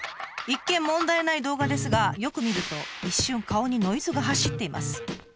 一見問題ない動画ですがよく見ると一瞬顔にノイズが走っています。